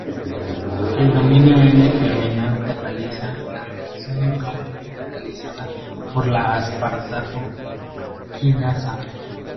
El dominio N-terminal cataliza la reacción normalmente catalizada por la aspartato kinasa.